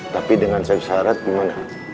tapi dengan sebesarat gimana